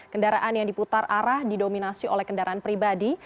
kendaraan yang diputar arah didominasi oleh kendaraan pribadi